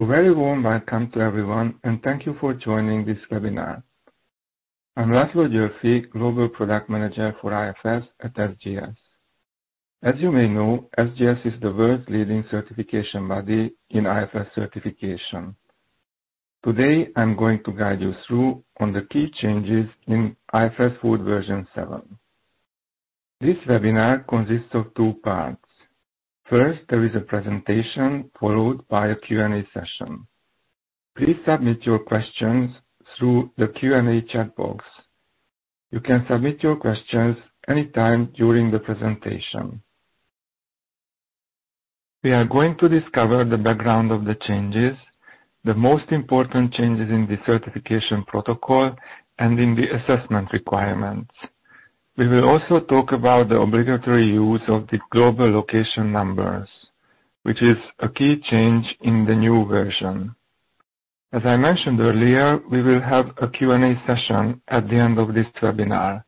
Very warm welcome to everyone, and thank you for joining this webinar. I'm László Győrfi, Global Product Manager for IFS at SGS. As you may know, SGS is the world's leading certification body in IFS certification. Today, I'm going to guide you through the key changes in IFS Food Version 7. This webinar consists of two parts. First, there is a presentation followed by a Q&A session. Please submit your questions through the Q&A chat box. You can submit your questions anytime during the presentation. We are going to discover the background of the changes, the most important changes in the certification protocol, and in the assessment requirements. We will also talk about the obligatory use of the Global Location Numbers, which is a key change in the new version. As I mentioned earlier, we will have a Q&A session at the end of this webinar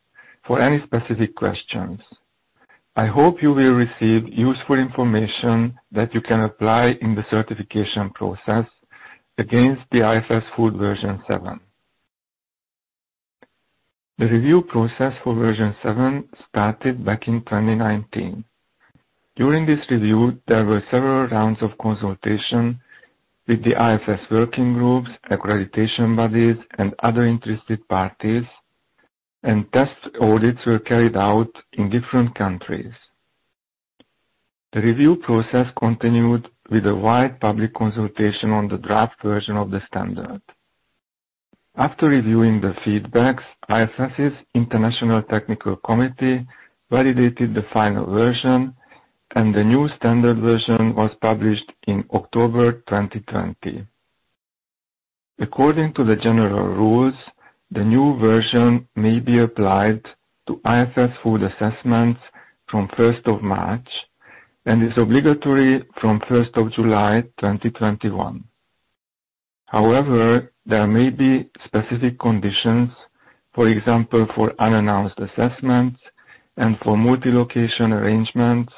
for any specific questions. I hope you will receive useful information that you can apply in the certification process against the IFS Food Version 7. The review process for Version 7 started back in 2019. During this review, there were several rounds of consultation with the IFS working groups, accreditation bodies, and other interested parties, and test audits were carried out in different countries. The review process continued with a wide public consultation on the draft version of the standard. After reviewing the feedback, IFS's International Technical Committee validated the final version, and the new standard version was published in October 2020. According to the general rules, the new version may be applied to IFS food assessments from 1st of March, and it's obligatory from 1st of July 2021. However, there may be specific conditions, for example, for unannounced assessments and for multi-location arrangements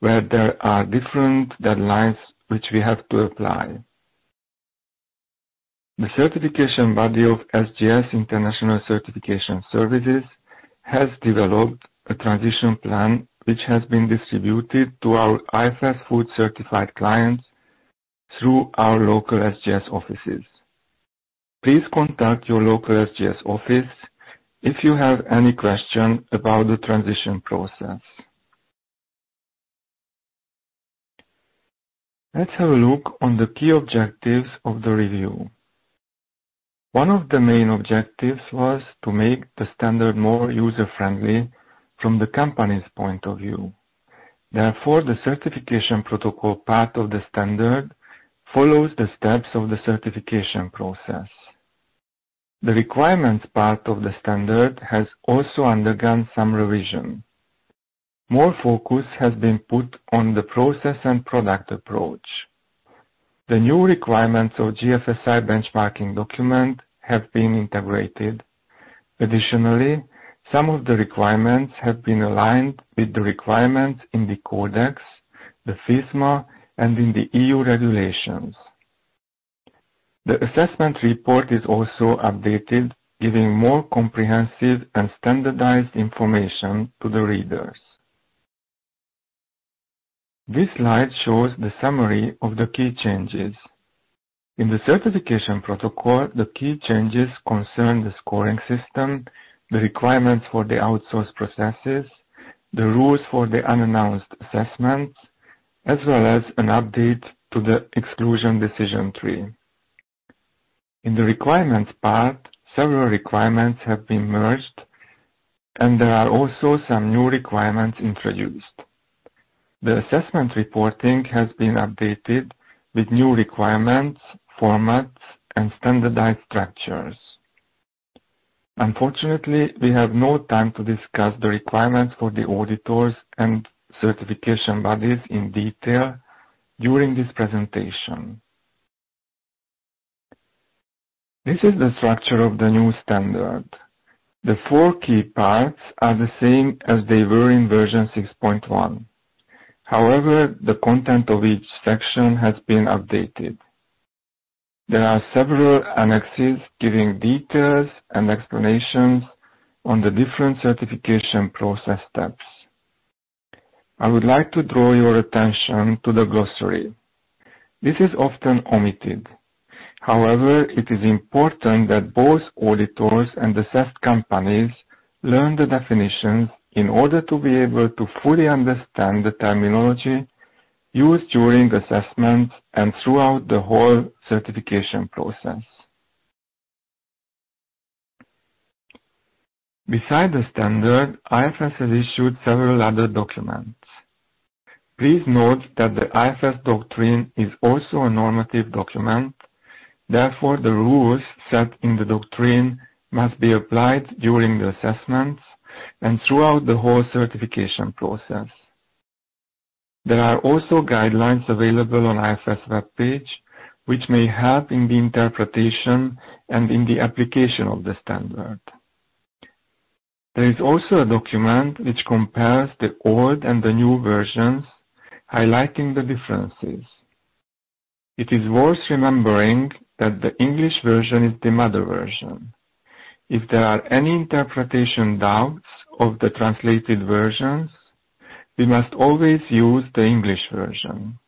where there are different deadlines which we have to apply. The certification body of SGS International Certification Services has developed a transition plan which has been distributed to our IFS Food certified clients through our local SGS offices. Please contact your local SGS office if you have any questions about the transition process. Let's have a look on the key objectives of the review. One of the main objectives was to make the standard more user-friendly from the company's point of view. Therefore, the certification protocol part of the standard follows the steps of the certification process. The requirements part of the standard has also undergone some revision. More focus has been put on the process and product approach. The new requirements of the GFSI benchmarking document have been integrated. Additionally, some of the requirements have been aligned with the requirements in the Codex, the FISMA, and in the EU regulations. The assessment report is also updated, giving more comprehensive and standardized information to the readers. This slide shows the summary of the key changes. In the certification protocol, the key changes concern the scoring system, the requirements for the outsource processes, the rules for the unannounced assessments, as well as an update to the exclusion decision tree. In the requirements part, several requirements have been merged, and there are also some new requirements introduced. The assessment reporting has been updated with new requirements, formats, and standardized structures. Unfortunately, we have no time to discuss the requirements for the auditors and certification bodies in detail during this presentation. This is the structure of the new standard. The four key parts are the same as they were in Version 6.1. However, the content of each section has been updated. There are several annexes giving details and explanations on the different certification process steps. I would like to draw your attention to the glossary. This is often omitted. However, it is important that both auditors and assessed companies learn the definitions in order to be able to fully understand the terminology used during assessments and throughout the whole certification process. Besides the standard, IFS has issued several other documents. Please note that the IFS Doctrine is also a normative document. Therefore, the rules set in the Doctrine must be applied during the assessments and throughout the whole certification process. There are also guidelines available on the IFS web page, which may help in the interpretation and in the application of the standard. There is also a document which compares the old and the new versions, highlighting the differences. It is worth remembering that the English version is the mother version. If there are any interpretation doubts of the translated versions, we must always use the English version.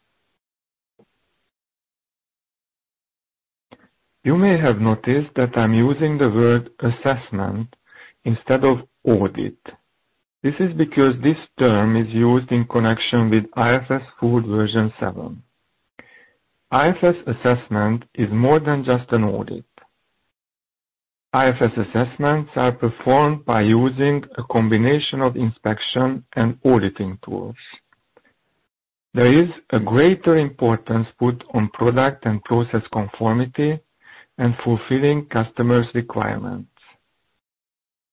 You may have noticed that I'm using the word "assessment" instead of "audit." This is because this term is used in connection with IFS Food Version 7. IFS assessment is more than just an audit. IFS assessments are performed by using a combination of inspection and auditing tools. There is a greater importance put on product and process conformity and fulfilling customers' requirements.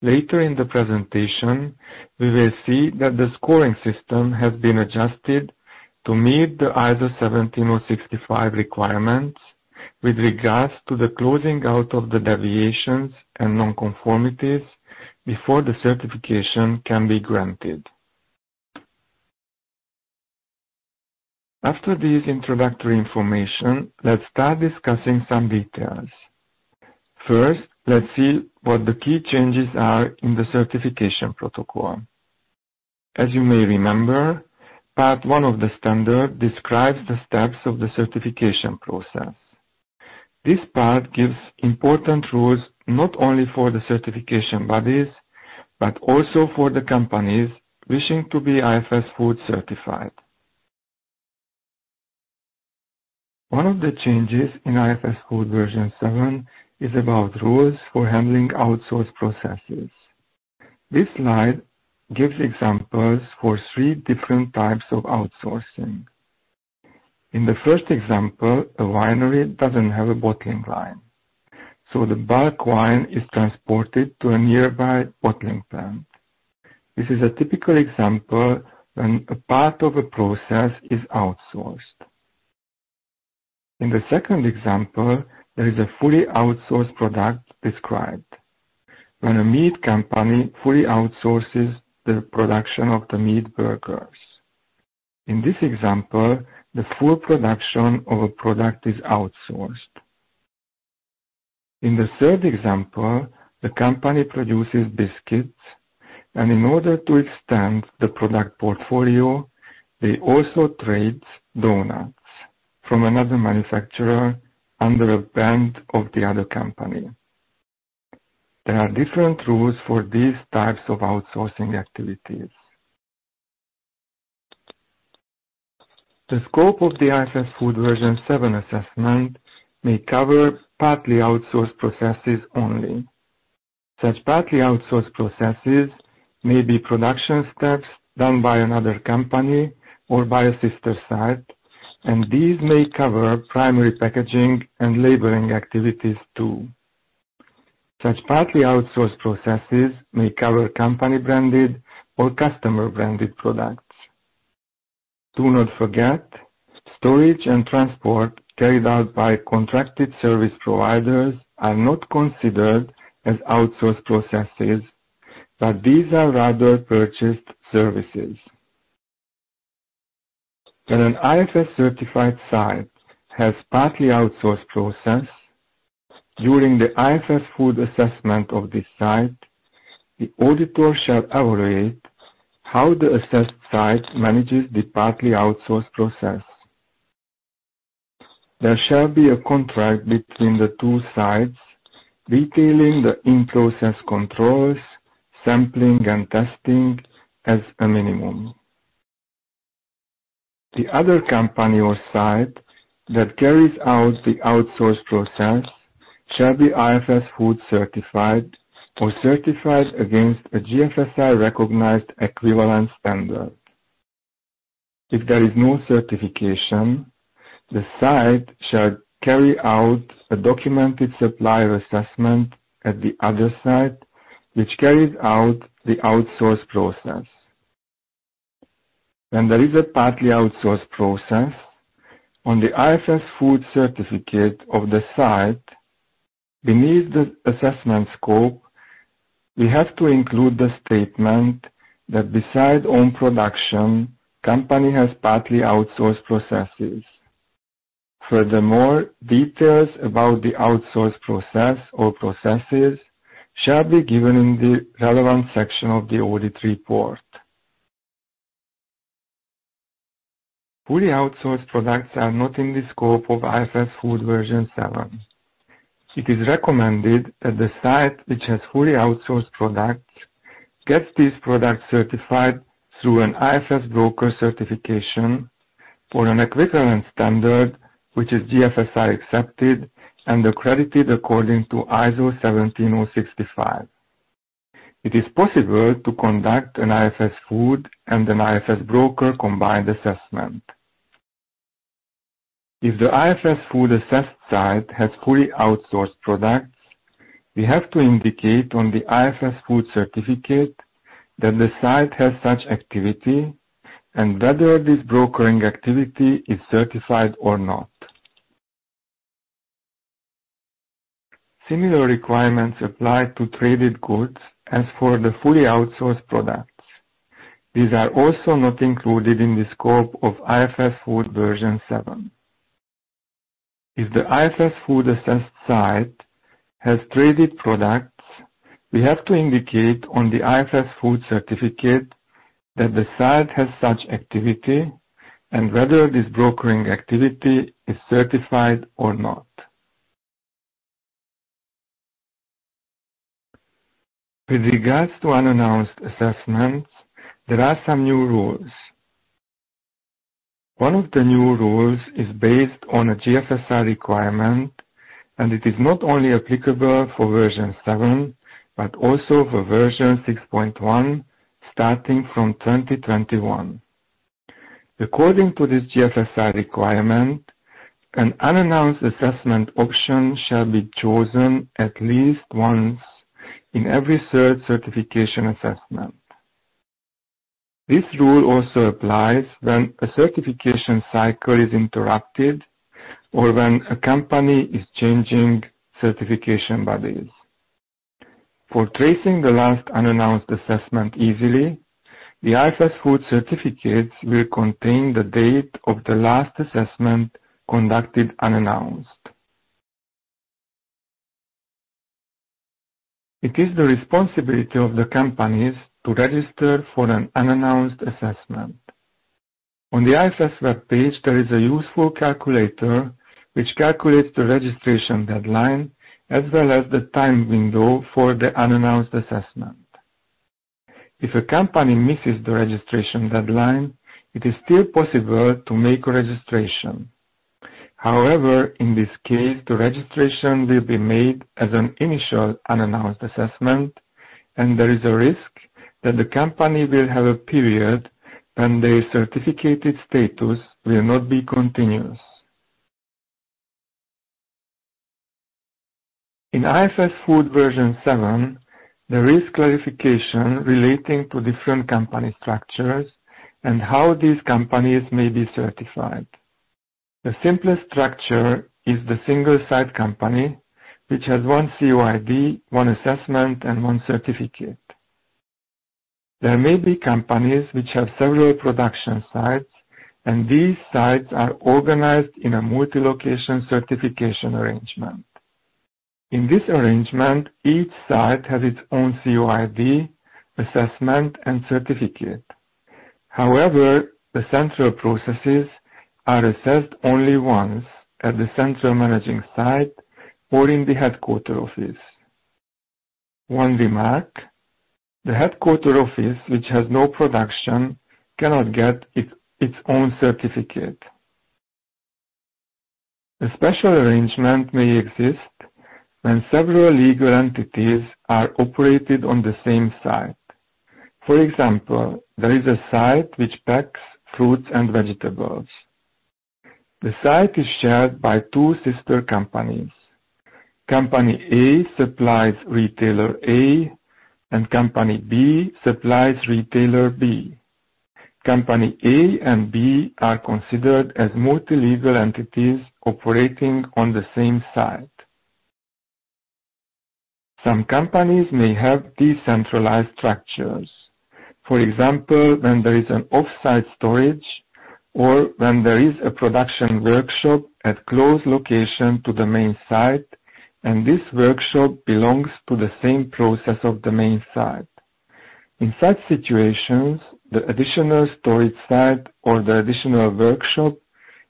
Later in the presentation, we will see that the scoring system has been adjusted to meet the ISO 17065 requirements with regards to the closing out of the deviations and non-conformities before the certification can be granted. After this introductory information, let's start discussing some details. First, let's see what the key changes are in the certification protocol. As you may remember, part one of the standard describes the steps of the certification process. This part gives important rules not only for the certification bodies but also for the companies wishing to be IFS Food certified. One of the changes in IFS Food Version 7 is about rules for handling outsourced processes. This slide gives examples for three different types of outsourcing. In the first example, a winery doesn't have a bottling line, so the bulk wine is transported to a nearby bottling plant. This is a typical example when a part of a process is outsourced. In the second example, there is a fully outsourced product described when a meat company fully outsources the production of the meat burgers. In this example, the full production of a product is outsourced. In the third example, the company produces biscuits, and in order to extend the product portfolio, they also trade donuts from another manufacturer under a brand of the other company. There are different rules for these types of outsourcing activities. The scope of the IFS Food Version 7 assessment may cover partly outsourced processes only. Such partly outsourced processes may be production steps done by another company or by a sister site, and these may cover primary packaging and labeling activities too. Such partly outsourced processes may cover company-branded or customer-branded products. Do not forget, storage and transport carried out by contracted service providers are not considered as outsourced processes, but these are rather purchased services. When an IFS certified site has partly outsourced process, during the IFS Food assessment of this site, the auditor shall evaluate how the assessed site manages the partly outsourced process. There shall be a contract between the two sides detailing the in-process controls, sampling, and testing as a minimum. The other company or site that carries out the outsourced process shall be IFS Food certified or certified against a GFSI-recognized equivalent standard. If there is no certification, the site shall carry out a documented supplier assessment at the other site which carries out the outsourced process. When there is a partly outsourced process, on the IFS Food certificate of the site, beneath the assessment scope, we have to include the statement that besides own production, the company has partly outsourced processes. Furthermore, details about the outsourced process or processes shall be given in the relevant section of the audit report. Fully outsourced products are not in the scope of IFS Food Version 7. It is recommended that the site which has fully outsourced products gets these products certified through an IFS Broker certification for an equivalent standard which is GFSI accepted and accredited according to ISO 17065. It is possible to conduct an IFS Food and an IFS Broker combined assessment. If the IFS Food assessed site has fully outsourced products, we have to indicate on the IFS Food certificate that the site has such activity and whether this brokering activity is certified or not. Similar requirements apply to traded goods as for the fully outsourced products. These are also not included in the scope of IFS Food Version 7. If the IFS Food assessed site has traded products, we have to indicate on the IFS Food certificate that the site has such activity and whether this brokering activity is certified or not. With regards to unannounced assessments, there are some new rules. One of the new rules is based on a GFSI requirement, and it is not only applicable for Version 7 but also for Version 6.1 starting from 2021. According to this GFSI requirement, an unannounced assessment option shall be chosen at least once in every third certification assessment. This rule also applies when a certification cycle is interrupted or when a company is changing certification bodies. For tracing the last unannounced assessment easily, the IFS Food certificates will contain the date of the last assessment conducted unannounced. It is the responsibility of the companies to register for an unannounced assessment. On the IFS web page, there is a useful calculator which calculates the registration deadline as well as the time window for the unannounced assessment. If a company misses the registration deadline, it is still possible to make a registration. However, in this case, the registration will be made as an initial unannounced assessment, and there is a risk that the company will have a period when their certificated status will not be continuous. In IFS Food Version 7, there is clarification relating to different company structures and how these companies may be certified. The simplest structure is the single site company which has one COID, one assessment, and one certificate. There may be companies which have several production sites, and these sites are organized in a multi-location certification arrangement. In this arrangement, each site has its own COID, assessment, and certificate. However, the central processes are assessed only once at the central managing site or in the headquarters office. One remark: the headquarters office which has no production cannot get its own certificate. A special arrangement may exist when several legal entities are operated on the same site. For example, there is a site which packs fruits and vegetables. The site is shared by two sister companies. Company A supplies retailer A, and Company B supplies retailer B. Company A and B are considered as multi-legal entities operating on the same site. Some companies may have decentralized structures. For example, when there is an off-site storage or when there is a production workshop at a close location to the main site, and this workshop belongs to the same process of the main site. In such situations, the additional storage site or the additional workshop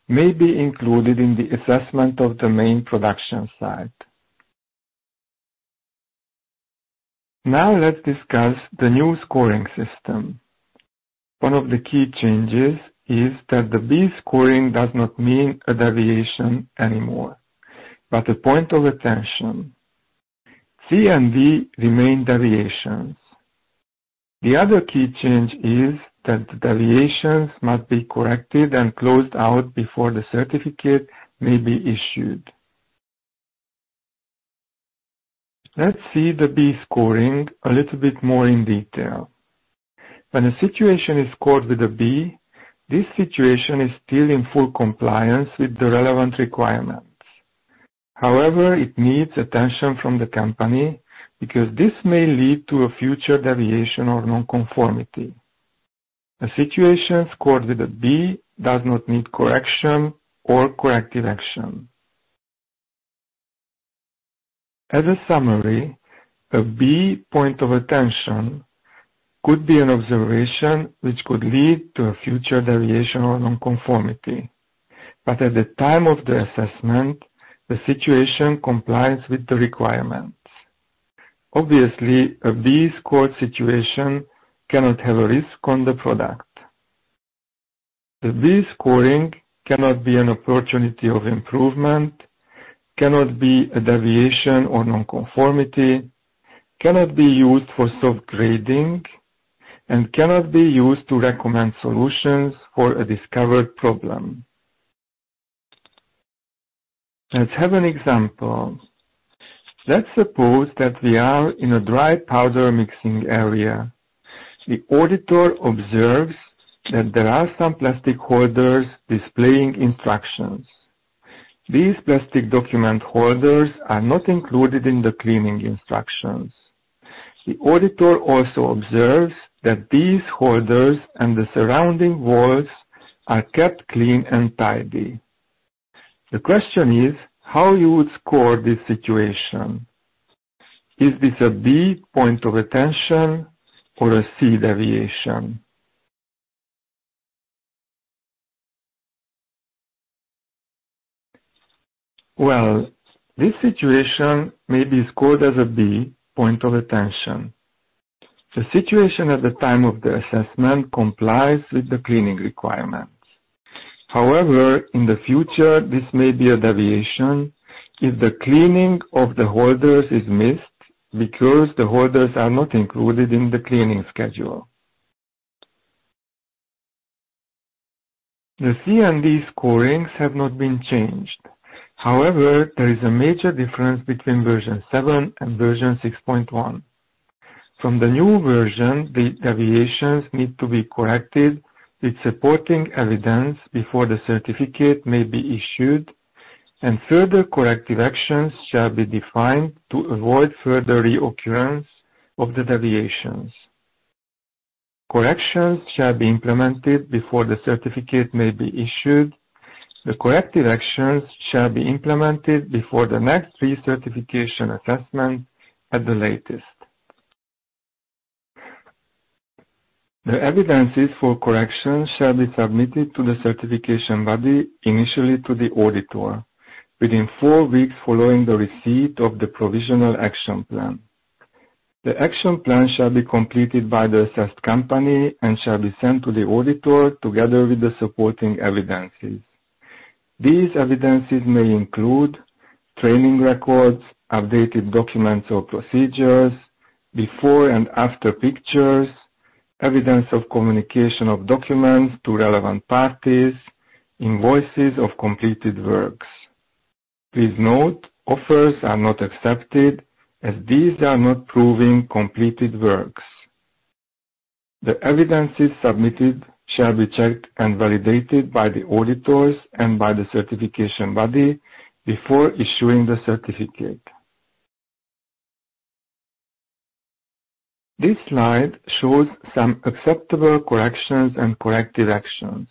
may be included in the assessment of the main production site. Now let's discuss the new scoring system. One of the key changes is that the B scoring does not mean a deviation anymore, but a point of attention. C and D remain deviations. The other key change is that the deviations must be corrected and closed out before the certificate may be issued. Let's see the B Scoring a little bit more in detail. When a situation is scored with a B, this situation is still in full compliance with the relevant requirements. However, it needs attention from the company because this may lead to a future deviation or non-conformity. A situation scored with a B does not need correction or corrective action. As a summary, a B point of attention could be an observation which could lead to a future deviation or non-conformity, but at the time of the assessment, the situation complies with the requirements. Obviously, a B scored situation cannot have a risk on the product. The B scoring cannot be an opportunity of improvement, cannot be a deviation or non-conformity, cannot be used for soft grading, and cannot be used to recommend solutions for a discovered problem. Let's have an example. Let's suppose that we are in a dry powder mixing area. The auditor observes that there are some plastic holders displaying instructions. These plastic document holders are not included in the cleaning instructions. The auditor also observes that these holders and the surrounding walls are kept clean and tidy. The question is how you would score this situation. Is this a B point of attention or a C deviation? Well, this situation may be scored as a B point of attention. The situation at the time of the assessment complies with the cleaning requirements. However, in the future, this may be a deviation if the cleaning of the holders is missed because the holders are not included in the cleaning schedule. The C and D scorings have not been changed. However, there is a major difference between Version 7 and Version 6.1. From the new version, the deviations need to be corrected with supporting evidence before the certificate may be issued, and further corrective actions shall be defined to avoid further reoccurrence of the deviations. Corrections shall be implemented before the certificate may be issued. The corrective actions shall be implemented before the next pre-certification assessment at the latest. The evidences for correction shall be submitted to the certification body initially to the auditor within four weeks following the receipt of the provisional action plan. The action plan shall be completed by the assessed company and shall be sent to the auditor together with the supporting evidences. These evidences may include training records, updated documents or procedures, before and after pictures, evidence of communication of documents to relevant parties, invoices of completed works. Please note, offers are not accepted as these are not proving completed works. The evidences submitted shall be checked and validated by the auditors and by the certification body before issuing the certificate. This slide shows some acceptable corrections and corrective actions.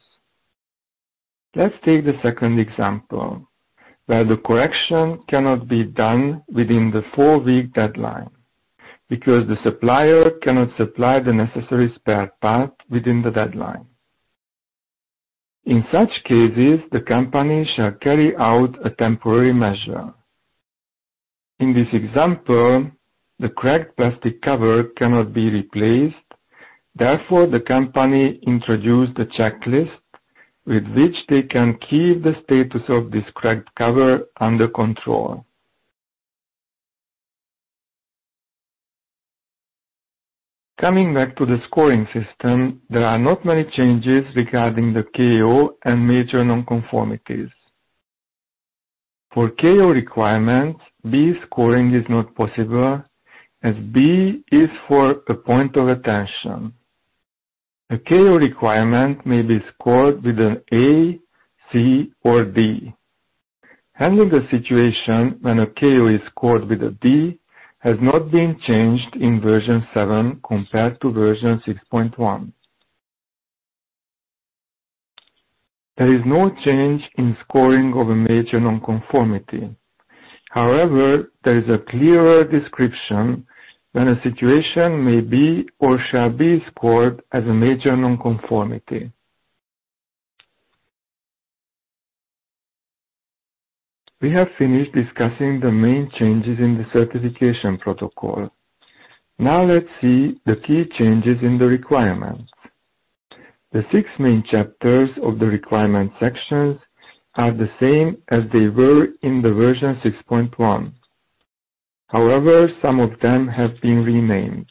Let's take the second example where the correction cannot be done within the four-week deadline because the supplier cannot supply the necessary spare part within the deadline. In such cases, the company shall carry out a temporary measure. In this example, the cracked plastic cover cannot be replaced. Therefore, the company introduced a checklist with which they can keep the status of this cracked cover under control. Coming back to the scoring system, there are not many changes regarding the KO and major non-conformities. For KO requirements, B scoring is not possible as B is for a point of attention. A KO requirement may be scored with an A, C, or D. Handling the situation when a KO is scored with a D has not been changed in Version 7 compared to Version 6.1. There is no change in scoring of a major non-conformity. However, there is a clearer description when a situation may be or shall be scored as a major non-conformity. We have finished discussing the main changes in the certification protocol. Now let's see the key changes in the requirements. The six main chapters of the requirement sections are the same as they were in Version 6.1. However, some of them have been renamed.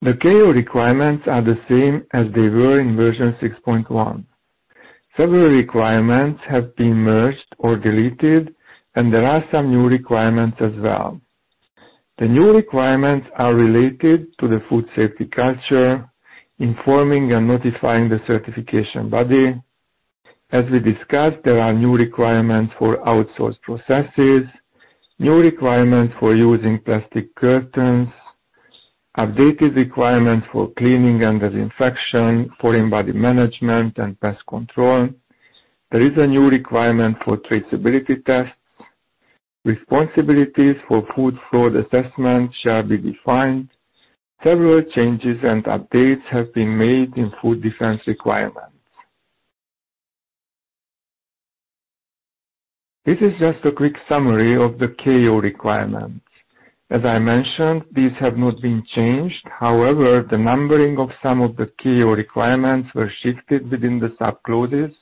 The KO requirements are the same as they were in Version 6.1. Several requirements have been merged or deleted, and there are some new requirements as well. The new requirements are related to the food safety culture, informing and notifying the certification body. As we discussed, there are new requirements for outsourced processes, new requirements for using plastic curtains, updated requirements for cleaning and disinfection, foreign body management, and pest control. There is a new requirement for traceability tests. Responsibilities for food fraud assessment shall be defined. Several changes and updates have been made in food defense requirements. This is just a quick summary of the KO requirements. As I mentioned, these have not been changed. However, the numbering of some of the KO requirements was shifted within the sub clauses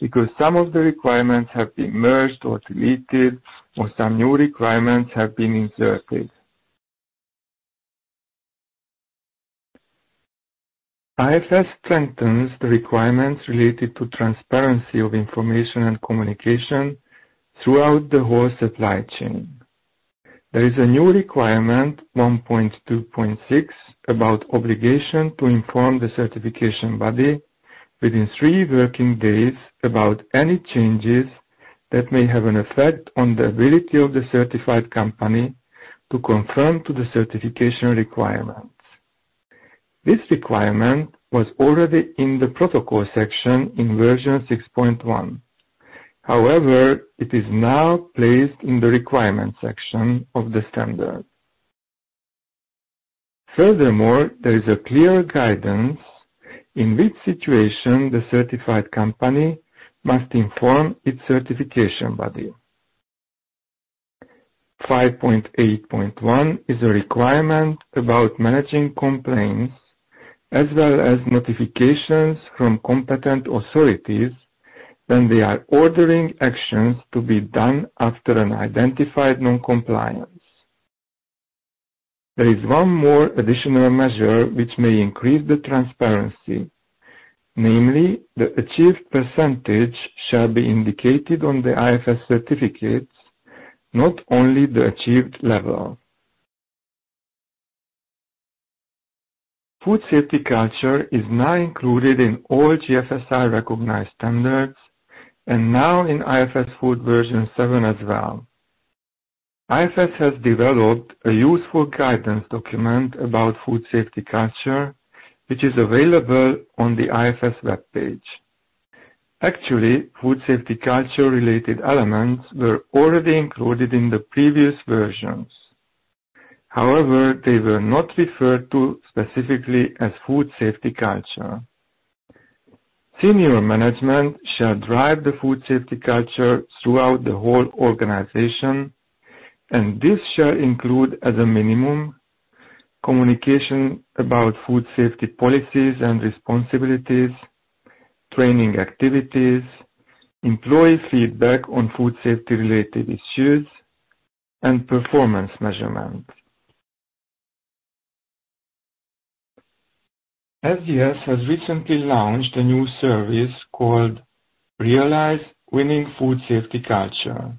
because some of the requirements have been merged or deleted, or some new requirements have been inserted. IFS strengthens the requirements related to transparency of information and communication throughout the whole supply chain. There is a new requirement 1.2.6 about obligation to inform the certification body within three working days about any changes that may have an effect on the ability of the certified company to conform to the certification requirements. This requirement was already in the protocol section in Version 6.1. However, it is now placed in the requirement section of the standard. Furthermore, there is a clear guidance in which situation the certified company must inform its certification body. 5.8.1 is a requirement about managing complaints as well as notifications from competent authorities when they are ordering actions to be done after an identified non-compliance. There is one more additional measure which may increase the transparency, namely the achieved percentage shall be indicated on the IFS certificates, not only the achieved level. Food safety culture is now included in all GFSI-recognized standards and now in IFS Food Version 7 as well. IFS has developed a useful guidance document about food safety culture, which is available on the IFS web page. Actually, food safety culture-related elements were already included in the previous versions. However, they were not referred to specifically as food safety culture. Senior management shall drive the food safety culture throughout the whole organization, and this shall include as a minimum communication about food safety policies and responsibilities, training activities, employee feedback on food safety-related issues, and performance measurements. SGS has recently launched a new service called Realize Winning Food Safety Culture.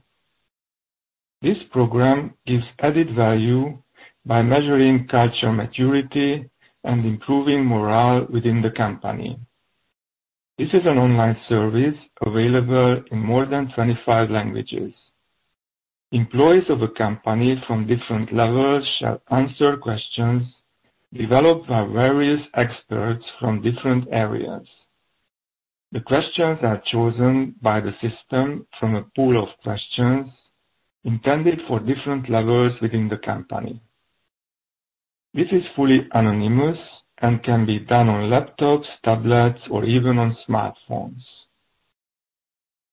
This program gives added value by measuring culture maturity and improving morale within the company. This is an online service available in more than 25 languages. Employees of a company from different levels shall answer questions developed by various experts from different areas. The questions are chosen by the system from a pool of questions intended for different levels within the company. This is fully anonymous and can be done on laptops, tablets, or even on smartphones.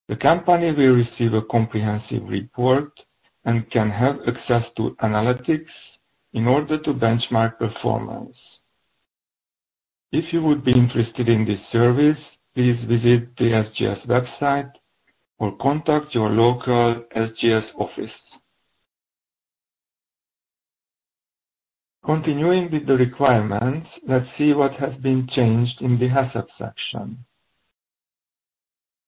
The company will receive a comprehensive report and can have access to analytics in order to benchmark performance. If you would be interested in this service, please visit the SGS website or contact your local SGS office. Continuing with the requirements, let's see what has been changed in the HACCP section.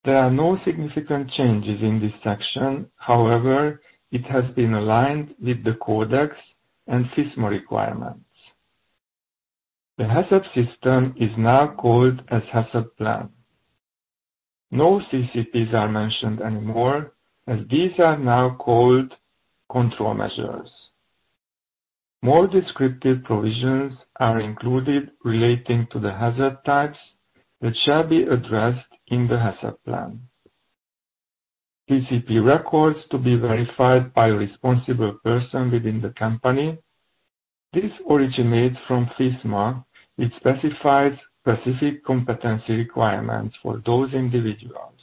There are no significant changes in this section. However, it has been aligned with the Codex and FISMA requirements. The HACCP system is now called as HACCP Plan. No CCPs are mentioned anymore as these are now called control measures. More descriptive provisions are included relating to the hazard types that shall be addressed in the HACCP Plan. CCP records to be verified by a responsible person within the company. This originates from FISMA. It specifies specific competency requirements for those individuals.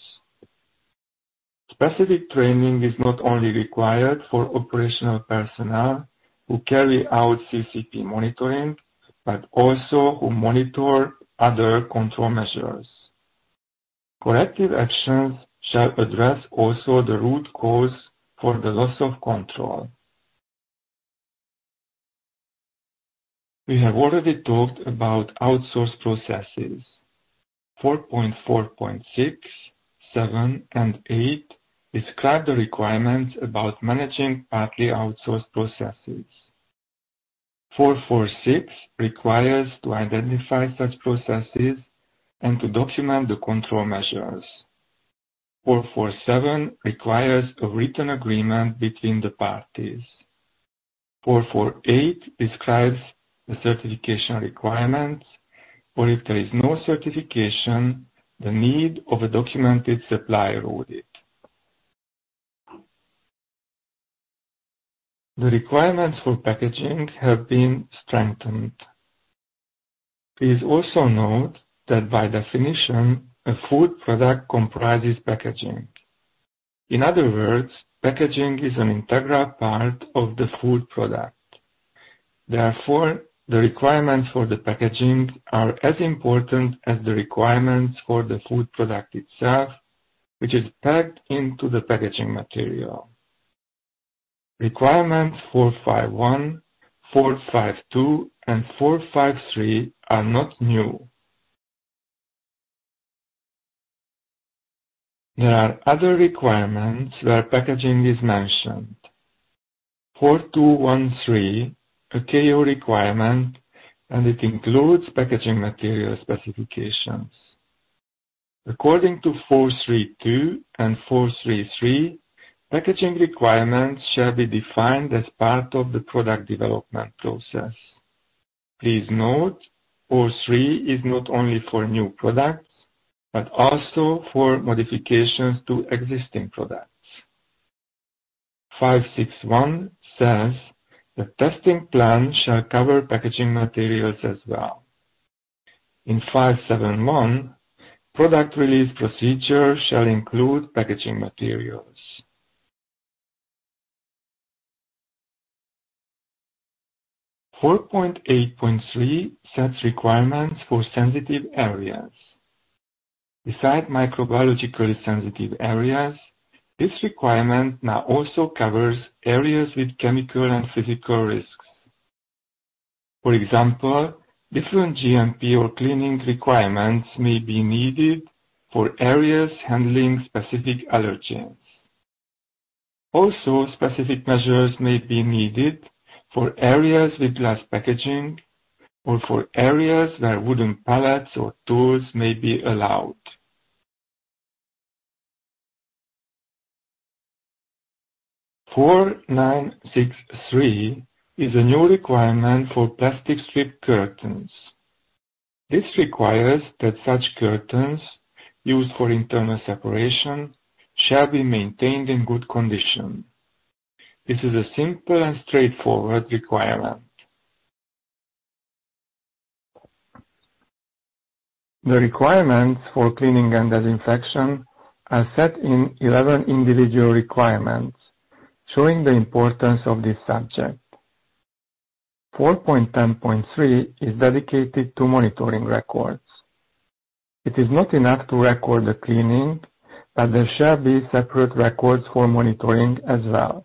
Specific training is not only required for operational personnel who carry out CCP monitoring, but also who monitor other control measures. Corrective actions shall address also the root cause for the loss of control. We have already talked about outsourced processes. 4.4.6, 7, and 8 describe the requirements about managing partly outsourced processes. 4.4.6 requires to identify such processes and to document the control measures. 4.4.7 requires a written agreement between the parties. 4.4.8 describes the certification requirements, or if there is no certification, the need of a documented supplier audit. The requirements for packaging have been strengthened. Please also note that by definition, a food product comprises packaging. In other words, packaging is an integral part of the food product. Therefore, the requirements for the packaging are as important as the requirements for the food product itself, which is packed into the packaging material. Requirements 4.5.1, 4.5.2, and 4.5.3 are not new. There are other requirements where packaging is mentioned. 4.2.1.3 is a KO Requirement, and it includes packaging material specifications. According to 4.3.2 and 4.3.3, packaging requirements shall be defined as part of the product development process. Please note, 4.3 is not only for new products, but also for modifications to existing products. 5.6.1 says the testing plan shall cover packaging materials as well. In 5.7.1, product release procedure shall include packaging materials. 4.8.3 sets requirements for sensitive areas. Besides microbiologically sensitive areas, this requirement now also covers areas with chemical and physical risks. For example, different GMP or cleaning requirements may be needed for areas handling specific allergens. Also, specific measures may be needed for areas with less packaging or for areas where wooden pallets or tools may be allowed. 4.9.6.3 is a new requirement for plastic strip curtains. This requires that such curtains, used for internal separation, shall be maintained in good condition. This is a simple and straightforward requirement. The requirements for cleaning and disinfection are set in 11 individual requirements, showing the importance of this subject. 4.10.3 is dedicated to monitoring records. It is not enough to record the cleaning, but there shall be separate records for monitoring as well.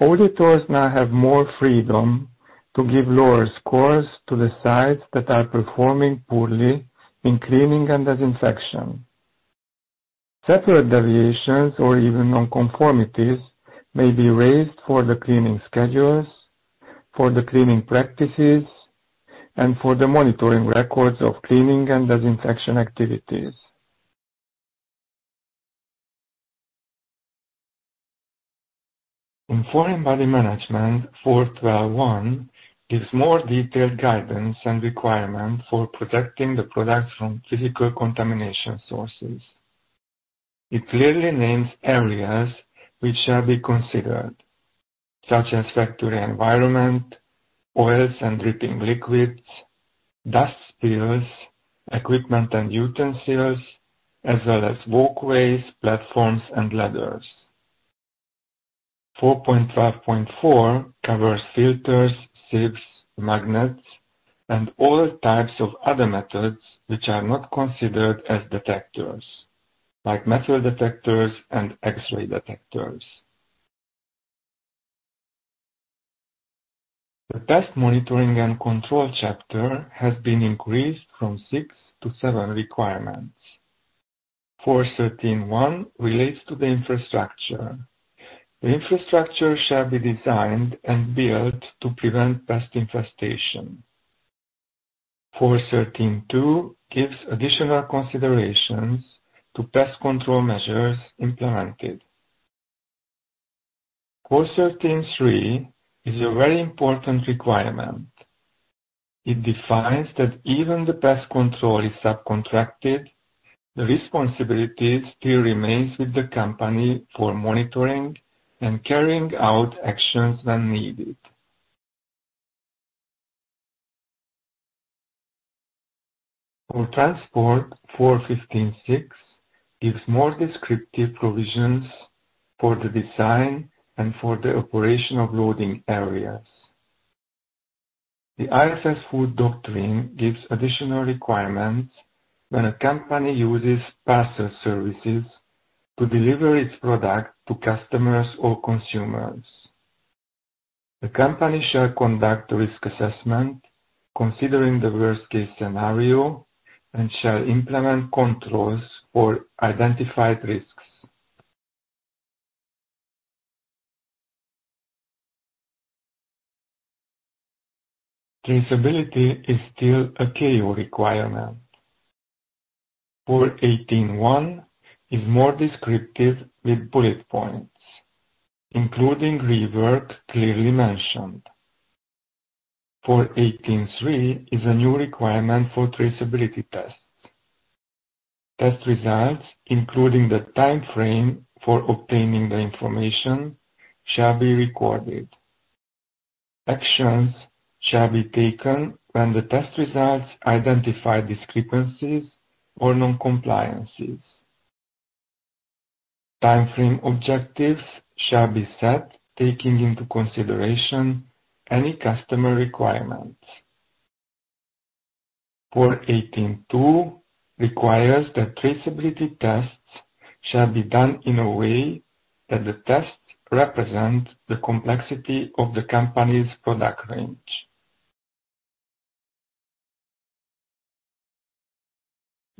Auditors now have more freedom to give lower scores to the sites that are performing poorly in cleaning and disinfection. Separate deviations or even non-conformities may be raised for the cleaning schedules, for the cleaning practices, and for the monitoring records of cleaning and disinfection activities. In Foreign Body Management, 4.12.1 gives more detailed guidance and requirements for protecting the products from physical contamination sources. It clearly names areas which shall be considered, such as factory environment, oils and dripping liquids, dust spills, equipment and utensils, as well as walkways, platforms, and ladders. 4.5.4 covers filters, sieves, magnets, and all types of other methods which are not considered as detectors, like metal detectors and X-ray detectors. The Pest Monitoring and Control chapter has been increased from six to seven requirements. 4.13.1 relates to the infrastructure. The infrastructure shall be designed and built to prevent pest infestation. 4.13.2 gives additional considerations to pest control measures implemented. 4.13.3 is a very important requirement. It defines that even if the pest control is subcontracted, the responsibility still remains with the company for monitoring and carrying out actions when needed. 4.15.6 gives more descriptive provisions for the design and for the operation of loading areas. The IFS Food Doctrine gives additional requirements when a company uses parcel services to deliver its product to customers or consumers. The company shall conduct risk assessment, considering the worst-case scenario, and shall implement controls for identified risks. Traceability is still a KO requirement. 4.18.1 is more descriptive with bullet points, including rework clearly mentioned. 4.18.3 is a new requirement for traceability tests. Test results, including the time frame for obtaining the information, shall be recorded. Actions shall be taken when the test results identify discrepancies or non-compliances. Time frame objectives shall be set, taking into consideration any customer requirements. 4.18.2 requires that traceability tests shall be done in a way that the tests represent the complexity of the company's product range.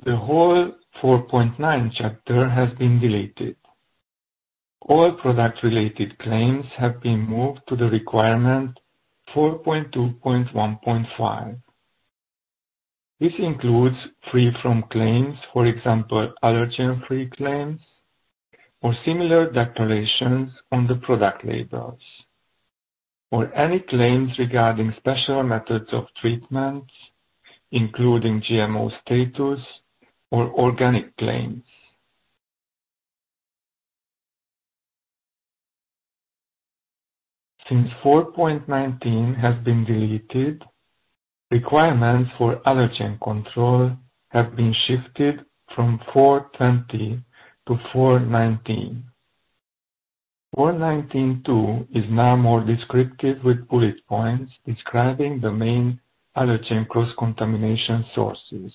The whole 4.9 chapter has been deleted. All product-related claims have been moved to the requirement 4.2.1.5. This includes free-form claims, for example, allergen-free claims, or similar declarations on the product labels, or any claims regarding special methods of treatment, including GMO status, or organic claims. Since 4.19 has been deleted, requirements for allergen control have been shifted from 4.20 to 4.19. 4.19.2 is now more descriptive with bullet points describing the main allergen cross-contamination sources,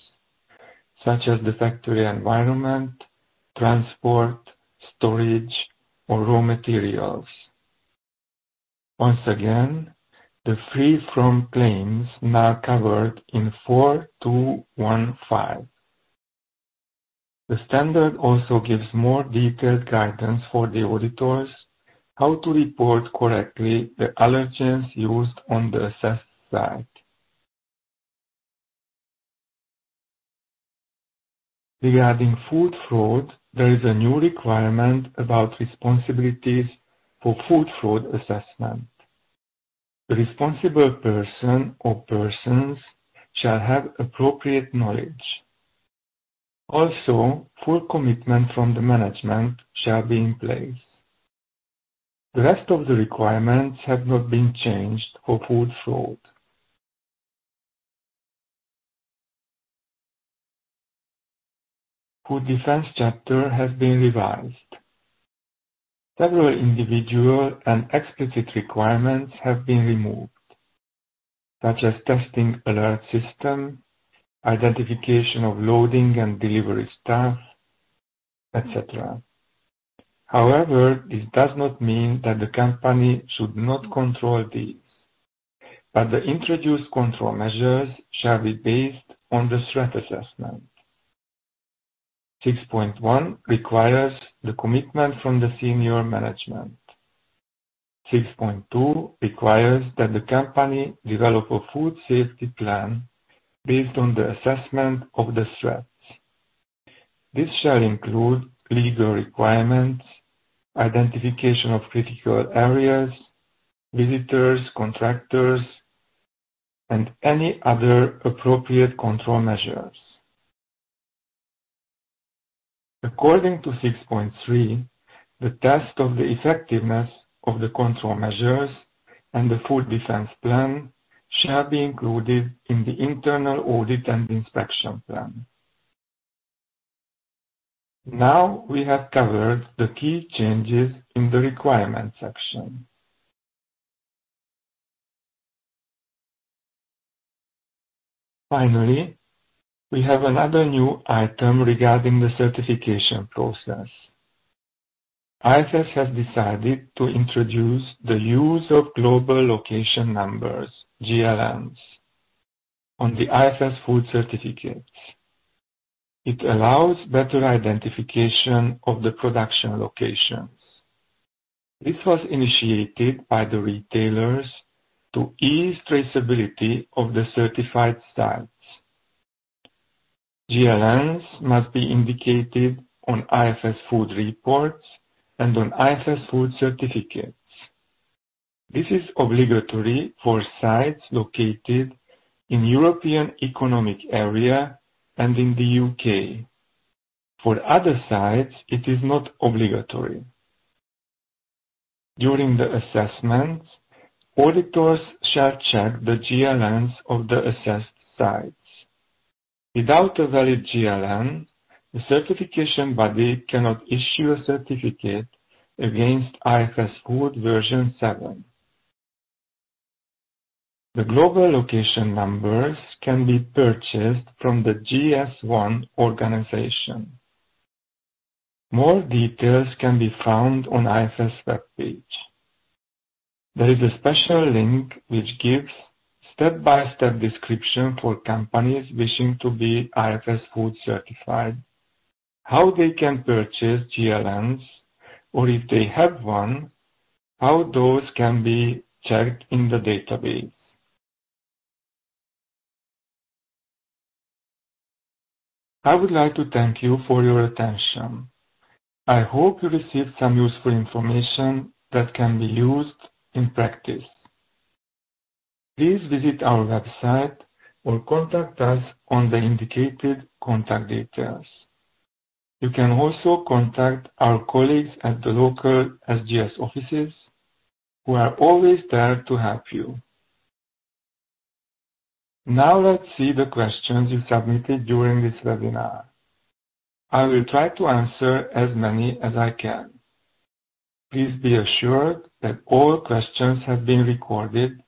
such as the factory environment, transport, storage, or raw materials. Once again, the free-form claims now covered in 4.2.1.5. The standard also gives more detailed guidance for the auditors on how to report correctly the allergens used on the assessed site. Regarding food fraud, there is a new requirement about responsibilities for food fraud assessment. The responsible person or persons shall have appropriate knowledge. Also, full commitment from the management shall be in place. The rest of the requirements have not been changed for food fraud. Food Defense chapter has been revised. Several individual and explicit requirements have been removed, such as testing alert system, identification of loading and delivery staff, etc. However, this does not mean that the company should not control these, but the introduced control measures shall be based on the threat assessment. 6.1 requires the commitment from the senior management. 6.2 requires that the company develop a food safety plan based on the assessment of the threats. This shall include legal requirements, identification of critical areas, visitors, contractors, and any other appropriate control measures. According to 6.3, the test of the effectiveness of the control measures and the food defense plan shall be included in the internal audit and inspection plan. Now we have covered the key changes in the requirement section. Finally, we have another new item regarding the certification process. IFS has decided to introduce the use of global location numbers, GLNs, on the IFS Food Certificates. It allows better identification of the production locations. This was initiated by the retailers to ease traceability of the certified sites. GLNs must be indicated on IFS Food reports and on IFS Food Certificates. This is obligatory for sites located in the European Economic Area and in the U.K. For other sites, it is not obligatory. During the assessments, auditors shall check the GLNs of the assessed sites. Without a valid GLN, the certification body cannot issue a certificate against IFS Food Version 7. The global location numbers can be purchased from the GS1 organization. More details can be found on IFS web page. There is a special link which gives a step-by-step description for companies wishing to be IFS Food certified, how they can purchase GLNs, or if they have one, how those can be checked in the database. I would like to thank you for your attention. I hope you received some useful information that can be used in practice. Please visit our website or contact us on the indicated contact details. You can also contact our colleagues at the local SGS offices, who are always there to help you. Now let's see the questions you submitted during this webinar. I will try to answer as many as I can. Please be assured that all questions have been recorded,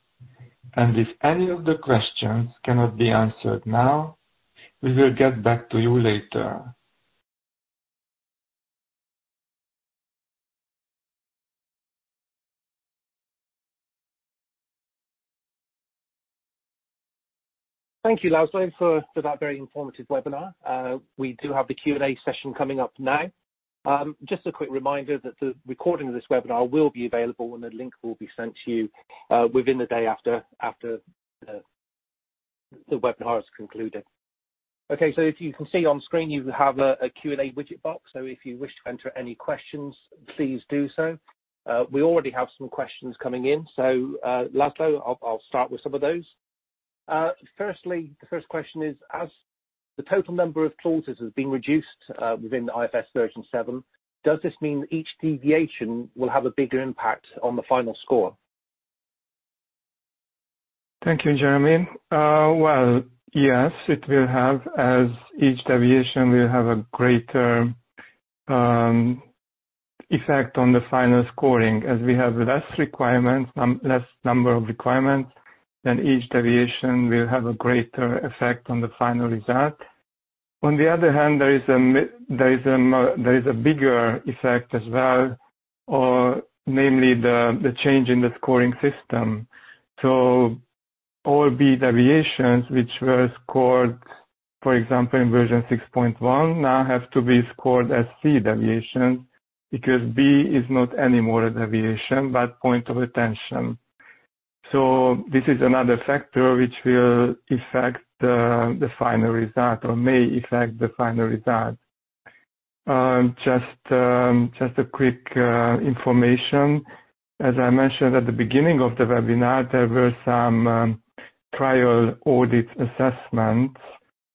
and if any of the questions cannot be answered now, we will get back to you later. Thank you, László, for that very informative webinar. We do have the Q&A session coming up now. Just a quick reminder that the recording of this webinar will be available, and the link will be sent to you within the day after the webinar has concluded. Okay, so if you can see on screen, you have a Q&A widget box, so if you wish to enter any questions, please do so. We already have some questions coming in, so László, I'll start with some of those. Firstly, the first question is, as the total number of clauses has been reduced within IFS Version 7, does this mean each deviation will have a bigger impact on the final score? Thank you, Géraldine. Well, yes, it will have, as each deviation will have a greater effect on the final scoring. As we have less requirements, less number of requirements, then each deviation will have a greater effect on the final result. On the other hand, there is a bigger effect as well, namely the change in the scoring system. So all B deviations, which were scored, for example, in Version 6.1, now have to be scored as C deviations because B is not anymore a deviation but point of attention. So this is another factor which will affect the final result or may affect the final result. Just a quick information, as I mentioned at the beginning of the webinar, there were some trial audit assessments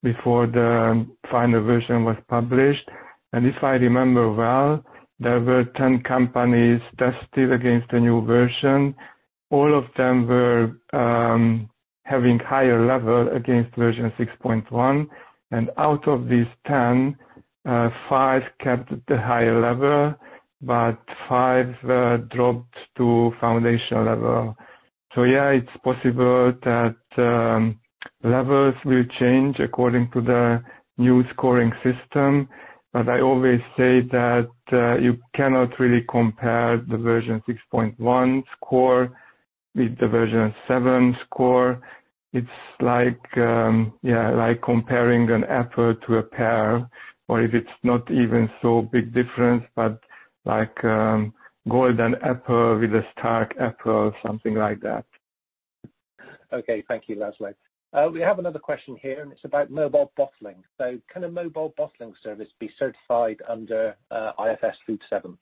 before the final version was published. And if I remember well, there were 10 companies tested against the new version. All of them were having Higher Level against Version 6.1. And out of these 10, five kept the Higher Level, but five dropped to Foundation Level. So yeah, it's possible that levels will change according to the new scoring system. But I always say that you cannot really compare the Version 6.1 score with the Version 7 score. It's like, yeah, like comparing an apple to a pear, or if it's not even so big difference, but like golden apple with a Stark apple, something like that. Okay, thank you, László. We have another question here, and it's about mobile bottling. Can a mobile bottling service be certified under IFS Food 7?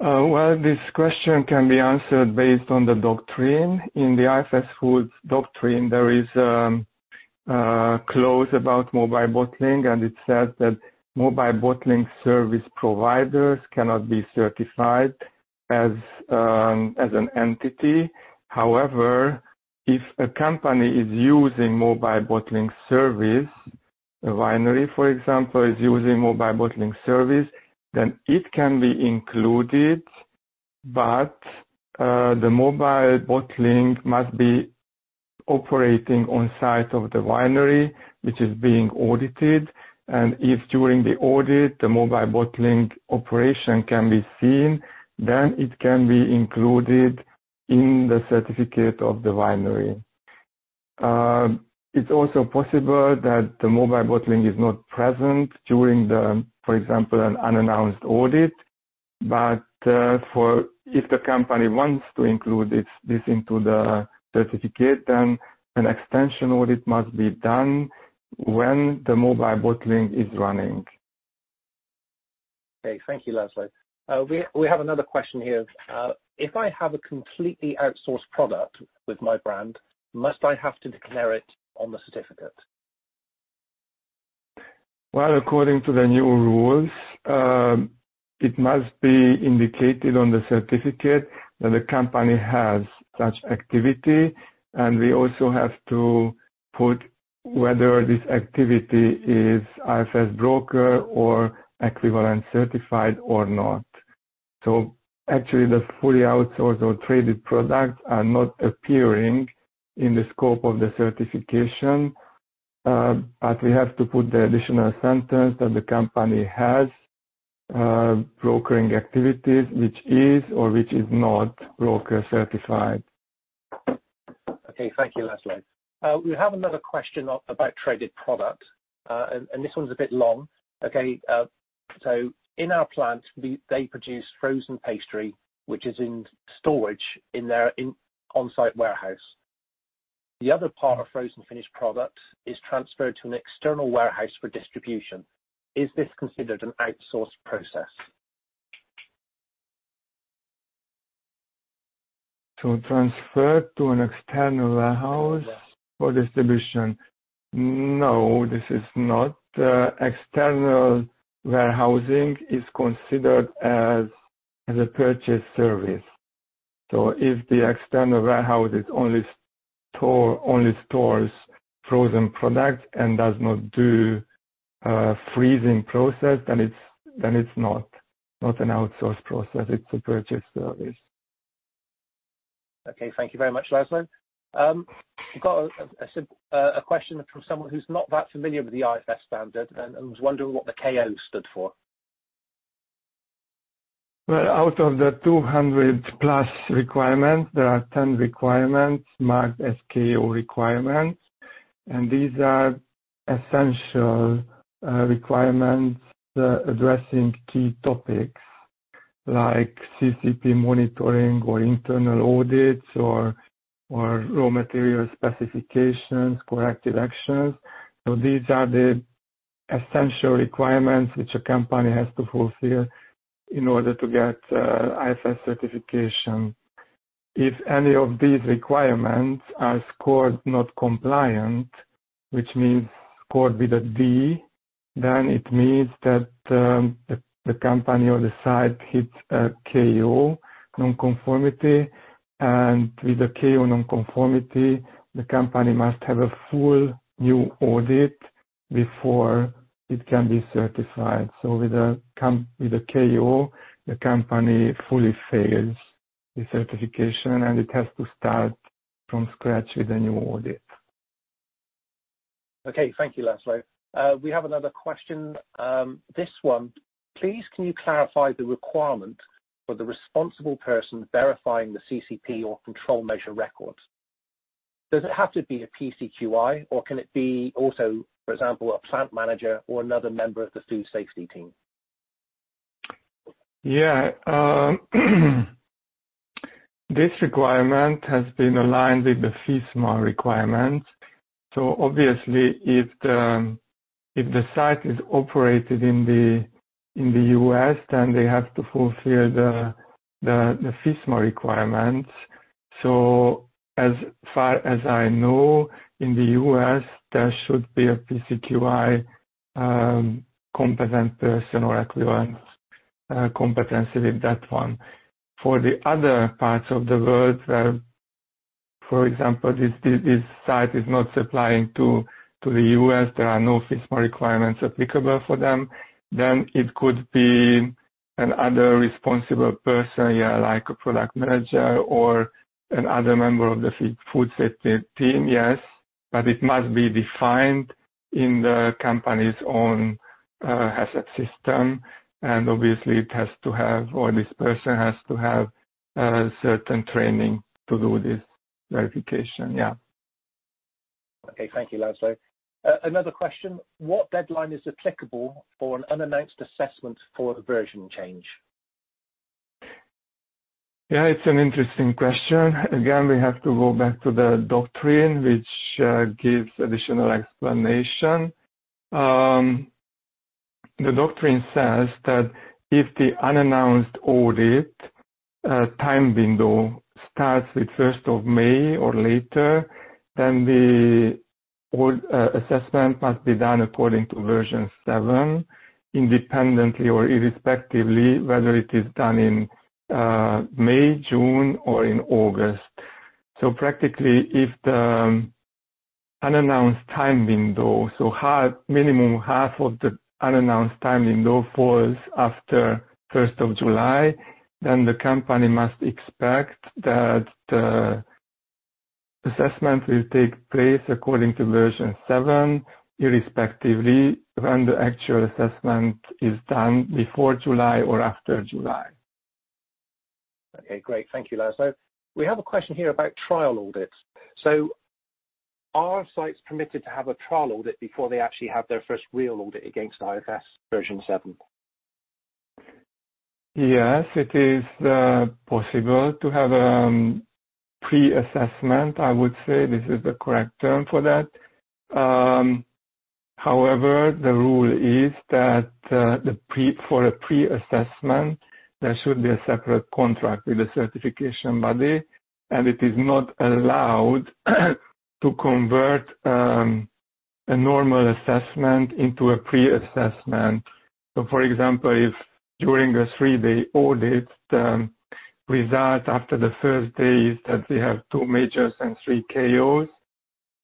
This question can be answered based on the doctrine. In the IFS Food doctrine, there is a clause about mobile bottling, and it says that mobile bottling service providers cannot be certified as an entity. However, if a company is using mobile bottling service, a winery, for example, is using mobile bottling service, then it can be included, but the mobile bottling must be operating on site of the winery, which is being audited. If during the audit, the mobile bottling operation can be seen, then it can be included in the certificate of the winery. It's also possible that the mobile bottling is not present during, for example, an unannounced audit. But if the company wants to include this into the certificate, then an extension audit must be done when the mobile bottling is running. Okay, thank you, László. We have another question here. If I have a completely outsourced product with my brand, must I have to declare it on the certificate? Well, according to the new rules, it must be indicated on the certificate that the company has such activity. And we also have to put whether this activity is IFS broker or equivalent certified or not. So actually, the fully outsourced or traded products are not appearing in the scope of the certification, but we have to put the additional sentence that the company has brokering activities, which is or which is not broker certified. Okay, thank you, László. We have another question about traded product. And this one's a bit long. Okay, so in our plant, they produce frozen pastry, which is in storage in their on-site warehouse. The other part of frozen finished product is transferred to an external warehouse for distribution. Is this considered an outsourced process? To transfer to an external warehouse for distribution? No, this is not. External warehousing is considered as a purchase service. So if the external warehouse only stores frozen products and does not do a freezing process, then it's not an outsourced process. It's a purchase service. Okay, thank you very much, László. We've got a question from someone who's not that familiar with the IFS standard and was wondering what the KO stood for. Well, out of the 200-plus requirements, there are 10 requirements marked as KO requirements. And these are essential requirements addressing key topics like CCP monitoring or internal audits or raw material specifications, corrective actions. So these are the essential requirements which a company has to fulfill in order to get IFS certification. If any of these requirements are scored not compliant, which means scored with a D, then it means that the company or the site hits a KO non-conformity. And with a KO non-conformity, the company must have a full new audit before it can be certified. So with a KO, the company fully fails the certification, and it has to start from scratch with a new audit. Okay, thank you, László. We have another question. This one, please, can you clarify the requirement for the responsible person verifying the CCP or control measure records? Does it have to be a PCQI, or can it be also, for example, a plant manager or another member of the food safety team? Yeah, this requirement has been aligned with the FISMA requirements. So obviously, if the site is operated in the U.S., then they have to fulfill the FISMA requirements. So as far as I know, in the U.S., there should be a PCQI competent person or equivalent competency with that one. For the other parts of the world where, for example, this site is not supplying to the U.S., there are no FISMA requirements applicable for them, then it could be another responsible person, yeah, like a product manager or another member of the food safety team, yes. But it must be defined in the company's own HACCP system. And obviously, it has to have, or this person has to have certain training to do this verification, yeah. Okay, thank you, László. Another question. What deadline is applicable for an unannounced assessment for a version change? Yeah, it's an interesting question. Again, we have to go back to the doctrine, which gives additional explanation. The doctrine says that if the unannounced audit time window starts with 1st of May or later, then the assessment must be done according to version 7, independently or irrespectively, whether it is done in May, June, or in August. So practically, if the unannounced time window, so minimum half of the unannounced time window falls after 1st of July, then the company must expect that the assessment will take place according to version 7, irrespectively, when the actual assessment is done before July or after July. Okay, great. Thank you, László. We have a question here about trial audits. So are sites permitted to have a trial audit before they actually have their first real audit against IFS version 7? Yes, it is possible to have a pre-assessment, I would say. This is the correct term for that. However, the rule is that for a pre-assessment, there should be a separate contract with the certification body, and it is not allowed to convert a normal assessment into a pre-assessment. So for example, if during a three-day audit, the result after the first day is that we have two majors and three KOs,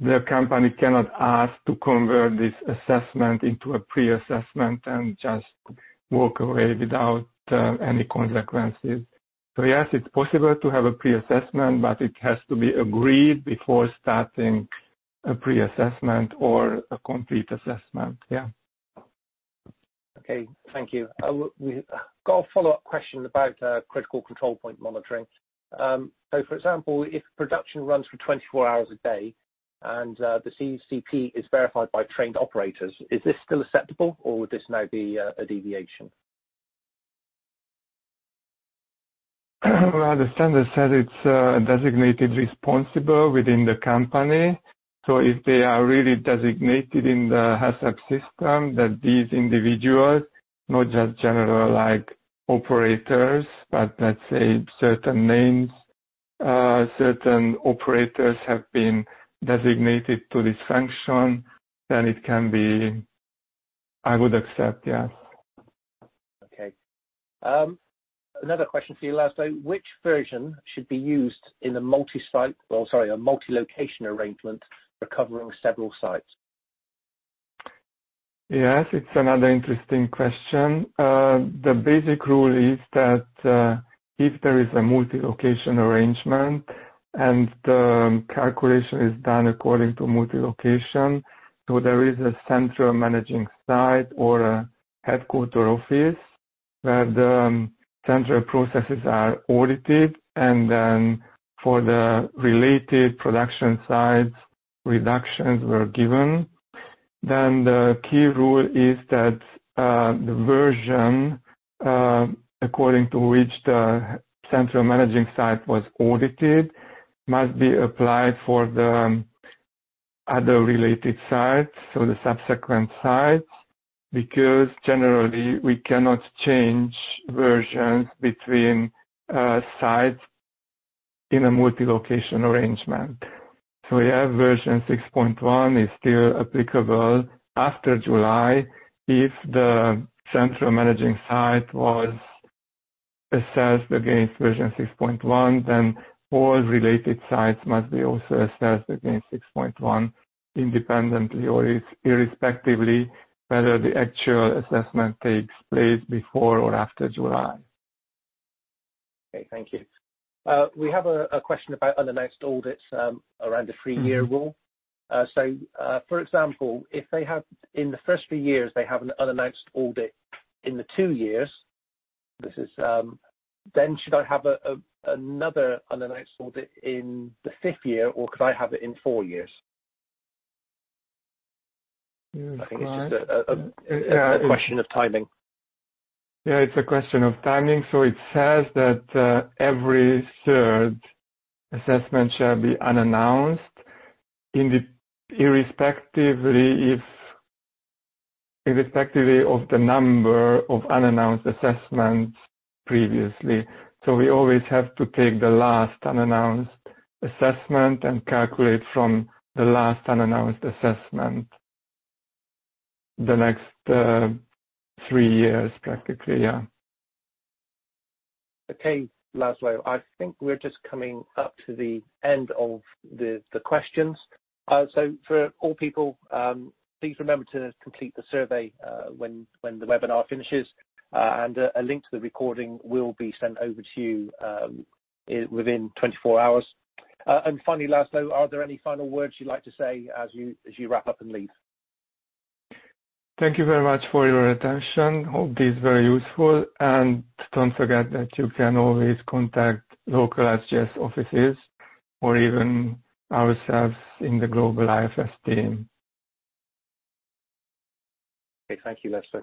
the company cannot ask to convert this assessment into a pre-assessment and just walk away without any consequences. So yes, it's possible to have a pre-assessment, but it has to be agreed before starting a pre-assessment or a complete assessment, yeah. Okay, thank you. I've got a follow-up question about critical control point monitoring. So for example, if production runs for 24 hours a day and the CCP is verified by trained operators, is this still acceptable, or would this now be a deviation? The standard says it's designated responsible within the company. So if they are really designated in the HACCP system, that these individuals, not just general like operators, but let's say certain names, certain operators have been designated to this function, then it can be I would accept, yes. Okay. Another question for you, László Győrfi. Which version should be used in a multi-site or, sorry, a multi-location arrangement covering several sites? Yes, it's another interesting question. The basic rule is that if there is a multi-location arrangement and the calculation is done according to multi-location, so there is a central managing site or a headquarters office where the central processes are audited, and then for the related production sites, reductions were given. Then the key rule is that the version according to which the central managing site was audited must be applied for the other related sites, so the subsequent sites, because generally, we cannot change versions between sites in a Multi-location Arrangement. So yeah, Version 6.1 is still applicable after July. If the central managing site was assessed against Version 6.1, then all related sites must be also assessed against 6.1 independently or irrespectively, whether the actual assessment takes place before or after July. Okay, thank you. We have a question about unannounced audits around the three-year rule. So for example, if in the first three years they have an unannounced audit in the two years, then should I have another unannounced audit in the fifth year, or could I have it in four years? I think it's just a question of timing. Yeah, it's a question of timing. So it says that every third assessment shall be unannounced, irrespectively of the number of unannounced assessments previously. So we always have to take the last unannounced assessment and calculate from the last unannounced assessment the next three years, practically, yeah. Okay, László. I think we're just coming up to the end of the questions. So for all people, please remember to complete the survey when the webinar finishes. And a link to the recording will be sent over to you within 24 hours. And finally, László, are there any final words you'd like to say as you wrap up and leave? Thank you very much for your attention. Hope this is very useful. And don't forget that you can always contact local SGS offices or even ourselves in the global IFS team. Okay, thank you, László.